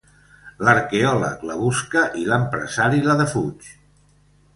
L'arqueòleg la busca i l'empresari la defuig.